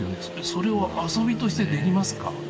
それを遊びとしてできますか。